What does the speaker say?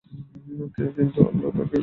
কিন্তু আল্লাহ তাকে অগ্নি থেকে রক্ষা করলেন।